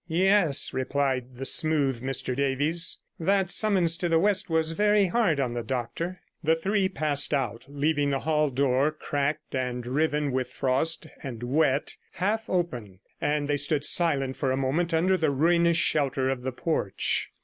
'Yes,' replied the smooth Mr Davies, 'that summons to the west was very hard on the doctor.' The three passed out, leaving the hall door, cracked and riven with frost and wet, half open, and they stood silent for a moment under the ruinous shelter of the porch.